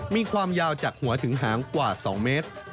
มีความยาวจากหัวถึงหางกว่า๒เมตร